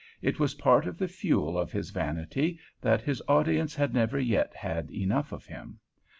It was part of the fuel of his vanity that his audience had never yet had enough of him.